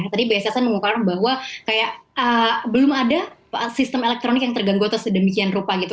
tadi bssn mengukakan bahwa kayak belum ada sistem elektronik yang terganggu atau sedemikian rupa gitu